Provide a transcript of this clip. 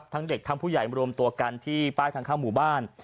ทั้งเด็กทั้งผู้ใหญ่มารวมตัวกันที่ป้ายทางเข้าหมู่บ้าน